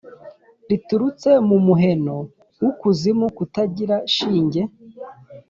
riturutse mu muheno w’Ukuzimu kutagira shinge,